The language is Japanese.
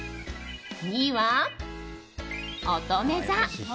２位は、おとめ座。